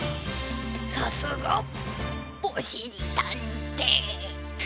さすがおしりたんていさん。